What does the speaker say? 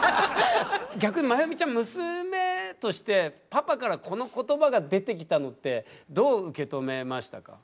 逆にまゆみちゃん娘としてパパからこの言葉が出てきたのってどう受け止めましたか？